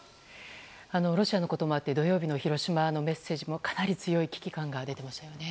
ロシアのこともあって土曜日の広島のメッセージはかなり強い危機感が出ていましたよね。